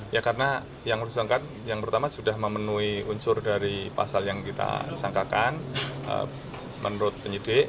ya karena yang pertama sudah memenuhi unsur dari pasal yang kita sangkakan menurut penyidik